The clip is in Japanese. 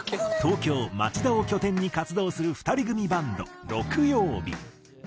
東京町田を拠点に活動する２人組バンドろくようび。